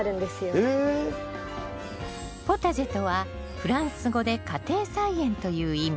ポタジェとはフランス語で「家庭菜園」という意味。